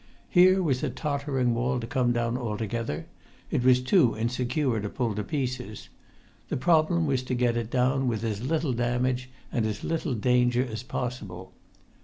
Here was a tottering wall to come down altogether. It was too insecure to pull to pieces. The problem was to get it down with as little damage and as little danger as possible.